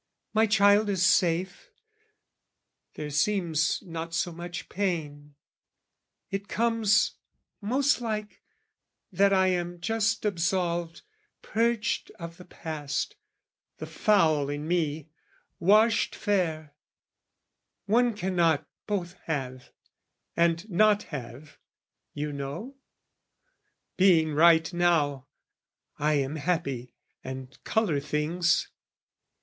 My child is safe; there seems not so much pain. It comes, most like, that I am just absolved, Purged of the past, the foul in me, washed fair, One cannot both have and not have, you know, Being right now, I am happy and colour things.